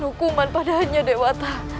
hukuman padanya dewata